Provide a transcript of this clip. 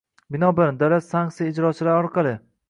Binobarin, davlat sanksiya ijrochilari orqali